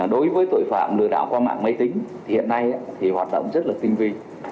đối với tội phạm lừa đảo qua mạng máy tính hiện nay hoạt động rất là tinh vi